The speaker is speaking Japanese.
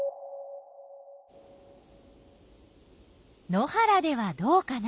野原ではどうかな。